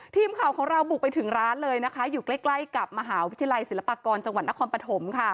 ทีมข่าวของเราบุกไปถึงร้านเลยนะคะอยู่ใกล้กับมหาวิทยาลัยศิลปากรจังหวัดนครปฐมค่ะ